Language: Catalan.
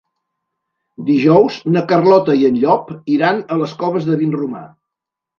Dijous na Carlota i en Llop iran a les Coves de Vinromà.